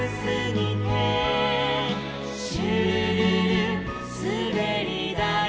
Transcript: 「シュルルルすべりだい」